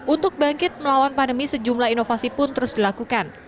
untuk bangkit melawan pandemi sejumlah inovasi pun terus dilakukan